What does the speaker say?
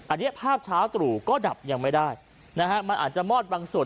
อันนี้ภาพเช้าตรู่ก็ดับยังไม่ได้นะฮะมันอาจจะมอดบางส่วน